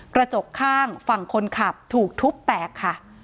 กระจกข้างฝั่งคนขับถูกทุบแตกค่ะ